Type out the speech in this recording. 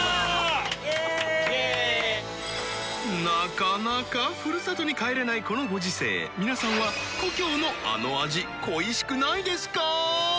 なかなかふるさとに帰れないこのご時世皆さんは故郷のあの味恋しくないですか？